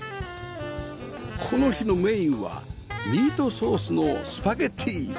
この日のメインはミートソースのスパゲティ